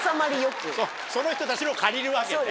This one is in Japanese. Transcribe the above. その人たちのを借りるわけね。